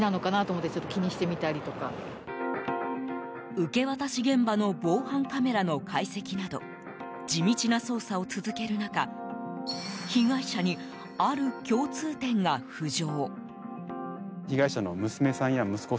受け渡し現場の防犯カメラの解析など地道な捜査を続ける中被害者に、ある共通点が浮上。